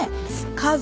家族。